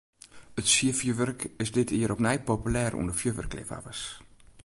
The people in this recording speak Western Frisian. It sierfjurwurk is dit jier opnij populêr ûnder fjurwurkleafhawwers.